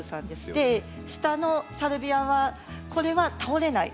で下のサルビアはこれは倒れない。